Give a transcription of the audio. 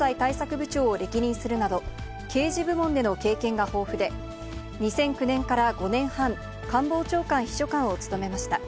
部長を歴任するなど、刑事部門での経験が豊富で、２００９年から５年半、官房長官秘書官を務めました。